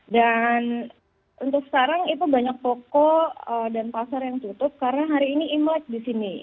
dan untuk sekarang itu banyak pokok dan pasar yang tutup karena hari ini imlek di sini